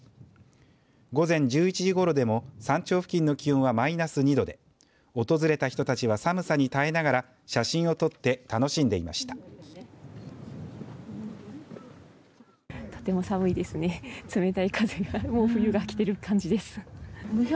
午前１１時ごろでも山頂付近の気温はマイナス２度で訪れた人たちは寒さに耐えながら写真を撮って楽しんでいました。